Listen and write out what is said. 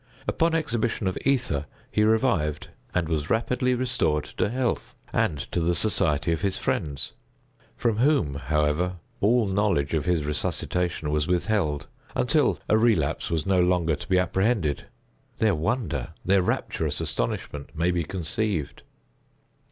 Upon exhibition of ether he revived and was rapidly restored to health, and to the society of his friends—from whom, however, all knowledge of his resuscitation was withheld, until a relapse was no longer to be apprehended. Their wonder—their rapturous astonishment—may be conceived.